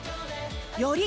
より